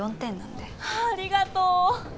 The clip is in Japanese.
ありがとう！